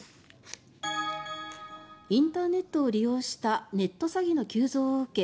インターネットを利用したネット詐欺の急増を受け